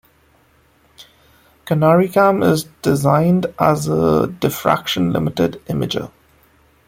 CanariCam is designed as a diffraction-limited imager.